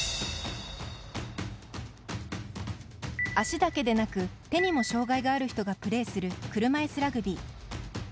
足だけでなく、手にも障がいがある人がプレーする車いすラグビー。